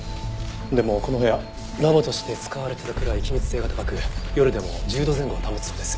でもこの部屋ラボとして使われてたくらい気密性が高く夜でも１０度前後は保つそうです。